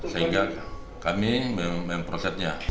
sehingga kami memprosesnya